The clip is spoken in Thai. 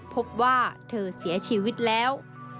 พบว่าเธอเสียชีวิตแล้ว